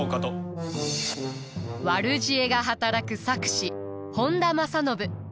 悪知恵が働く策士本多正信。